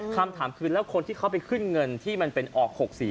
คำถามคือแล้วคนที่เขาไปขึ้นเงินที่มันเป็นออก๖๔